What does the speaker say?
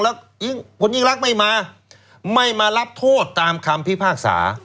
แล้วคุณยิ่งรักไม่มาไม่มารับโทษตามคำพิพากษา